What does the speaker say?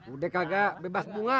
udah kagak bebas bunga